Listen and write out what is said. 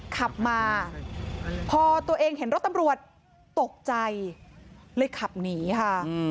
ขับมาพอตัวเองเห็นรถตำรวจตกใจเลยขับหนีค่ะ